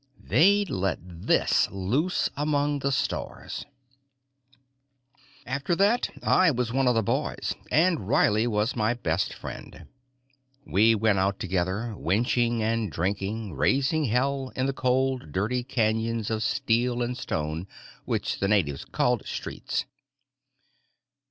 They'd let this loose among the stars! After that I was one of the boys and Riley was my best friend. We went out together, wenching and drinking, raising hell in the cold dirty canyons of steel and stone which the natives called streets.